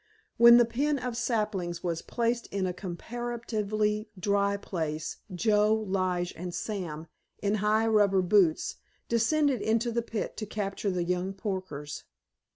When the pen of saplings was placed in a comparatively dry place Joe, Lige and Sam, in high rubber boots, descended into the pit to capture the young porkers.